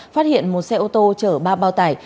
phát hiện một xe ô tô chở ba bao tải